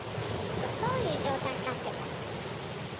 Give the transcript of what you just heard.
どういう状態になってんの？